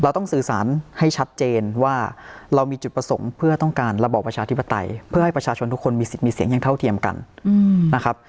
ต้องสื่อสารให้ชัดเจนว่าเรามีจุดประสงค์เพื่อต้องการระบอบประชาธิปไตยเพื่อให้ประชาชนทุกคนมีสิทธิ์มีเสียงอย่างเท่าเทียมกันนะครับ